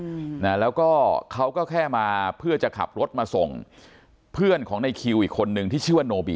อืมนะแล้วก็เขาก็แค่มาเพื่อจะขับรถมาส่งเพื่อนของในคิวอีกคนนึงที่ชื่อว่าโนบี